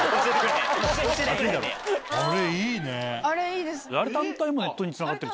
あれいいです。